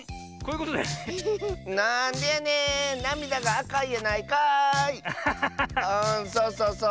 うんそうそうそう。